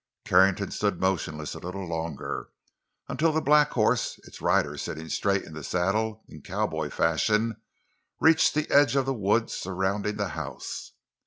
Carrington stood motionless a little longer—until the black horse, its rider sitting straight in the saddle, in cowboy fashion, reached the edge of the wood surrounding the house.